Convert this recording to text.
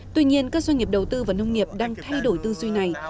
tuy nhiên các doanh nghiệp đầu tư và nông nghiệp đang thay đổi tư duy này